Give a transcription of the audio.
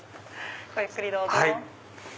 ごゆっくりどうぞ。